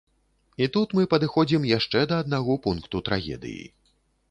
І тут мы падыходзім яшчэ да аднаго пункту трагедыі.